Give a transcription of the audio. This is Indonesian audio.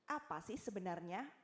apa sih sejarahnya